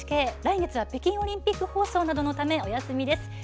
来月は北京オリンピック放送などのためお休みです。